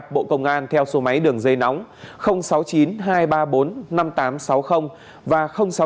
bộ công an theo số máy đường dây nóng sáu mươi chín hai trăm ba mươi bốn năm nghìn tám trăm sáu mươi và sáu mươi chín hai trăm ba mươi một một nghìn sáu trăm sáu